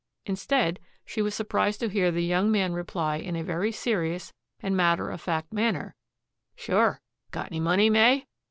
Instead, she was surprised to hear the young man reply in a very serious and matter of fact manner, "Sure. Got any money, May?"